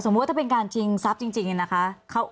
สมมุติว่าถ้าเป็นการชิงทรัพย์จริงนะคะ